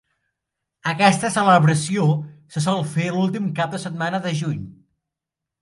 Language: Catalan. Aquesta celebració se sol fer l'últim cap de setmana de juny.